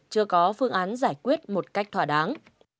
chưa có phương án giải quyết một cách thỏa đáng